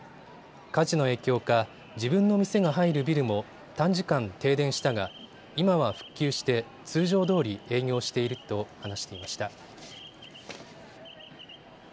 火事の影響か自分の店が入るビルも短時間、停電したが今は復旧して通常どおり営業していると話していました。